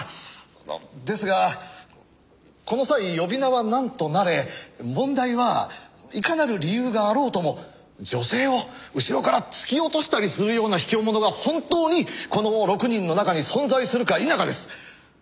そのですがこの際呼び名はなんとなれ問題はいかなる理由があろうとも女性を後ろから突き落としたりするような卑怯者が本当にこの６人の中に存在するか否かです。